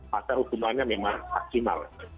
maka hukumannya memang maksimal